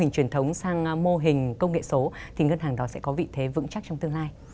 truyền thống sang mô hình công nghệ số thì ngân hàng đó sẽ có vị thế vững chắc trong tương lai